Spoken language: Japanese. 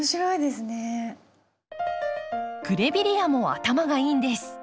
グレビレアも頭がいいんです。